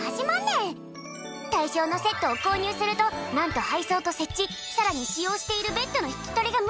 対象のセットを購入するとなんと配送と設置さらに使用しているベッドの引き取りが無料！